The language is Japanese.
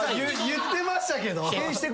言ってましたけど。